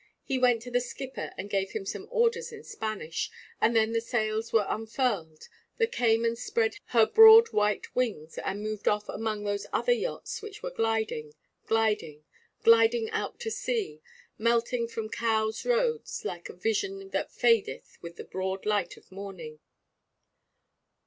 He went to the skipper and gave him some orders in Spanish, and then the sails were unfurled, the Cayman spread her broad white wings, and moved off among those other yachts which were gliding, gliding, gliding out to sea, melting from Cowes Roads like a vision that fadeth with the broad light of morning.